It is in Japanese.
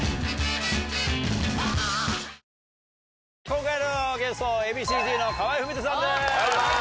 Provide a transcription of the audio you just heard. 今回のゲストＡ．Ｂ．Ｃ−Ｚの河合郁人さんです。